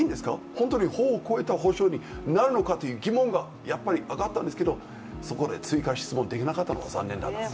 本当に法を超えた補償になるのかという疑問がやっぱり上がったんですがそこで追加質問できなかったのが残念です。